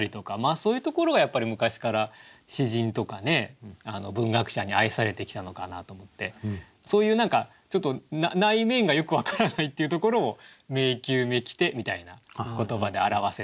そういうところがやっぱり昔から詩人とか文学者に愛されてきたのかなと思ってそういう何かちょっと内面がよく分からないっていうところを「迷宮めきて」みたいな言葉で表せたらなと思って詠んでみました。